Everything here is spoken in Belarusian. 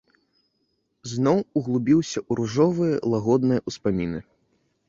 Зноў углыбіўся ў ружовыя, лагодныя ўспаміны.